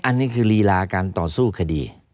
อันนี้คือลีลาการต่อสู้คดี